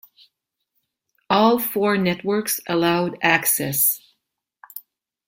All four networks allowed access.